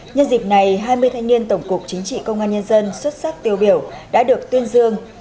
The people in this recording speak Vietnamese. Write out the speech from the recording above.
nhân dịp này hai mươi thanh niên tổng cục chính trị công an nhân dân xuất sắc tiêu biểu đã được tuyên dương